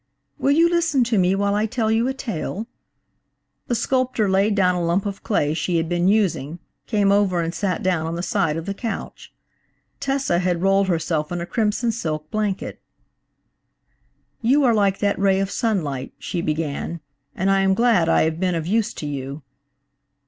"Will you listen to me while I tell you a tale?" The sculptor laid down a lump of clay she had been using, came over and sat down on the side of the couch. Tessa had rolled herself in a crimson silk blanket. "You are like that ray of sunlight," she began, "and I am glad I have been of use to you."